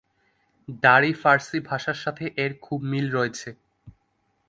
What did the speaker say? দারি ফার্সি ভাষার সাথে এর খুব মিল রয়েছে।